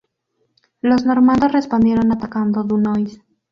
Los normandos respondieron atacando Dunois.